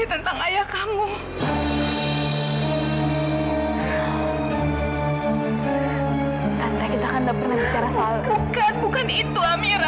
tentang kematian ayah kamu